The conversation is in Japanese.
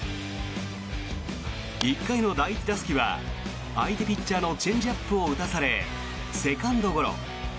１回の第１打席は相手ピッチャーのチェンジアップを打たされセカンドゴロ。